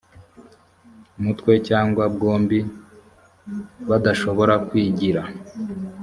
mutwe cyangwa bwombi badashobora kwigira